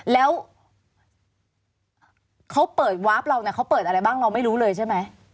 แล้วเขาเปิดวาร์ฟเราเนี่ยเขาเปิดอะไรบ้างเราไม่รู้เลยใช่ไหม